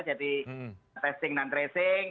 jadi testing dan tracing